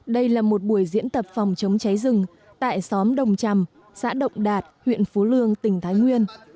đây là một buổi diễn tập phòng chống cháy rừng tại xóm đồng chầm xã động đạt huyện phú lương tỉnh thái nguyên